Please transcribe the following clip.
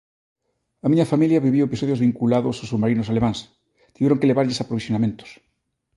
A miña familia viviu episodios vinculados aos submarinos alemáns, tiveron que levarlles aprovisionamentos.